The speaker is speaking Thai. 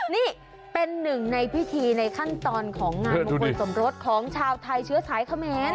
นี่เป็นหนึ่งในพิธีในขั้นตอนของงานมงคลสมรสของชาวไทยเชื้อสายเขมร